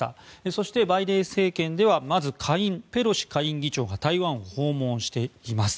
そしてバイデン政権ではまず下院、ペロシ下院議長が台湾を訪問しています。